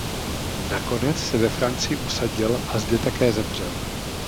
Nakonec se ve Francii usadil a zde také zemřel.